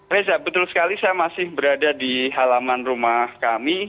reza betul sekali saya masih berada di halaman rumah kami